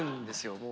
もう。